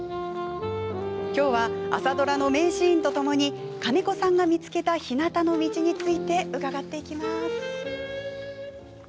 きょうは朝ドラの名シーンとともに金子さんが見つけたひなたの道について伺います。